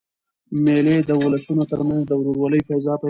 مېلې د اولسونو تر منځ د ورورولۍ فضا پیدا کوي.